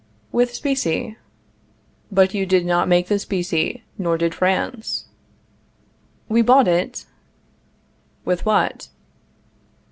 With specie. But you did not make the specie, nor did France. We bought it. With what?